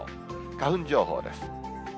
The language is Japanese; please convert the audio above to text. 花粉情報です。